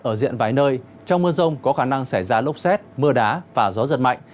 ở diện vài nơi trong mưa rông có khả năng xảy ra lốc xét mưa đá và gió giật mạnh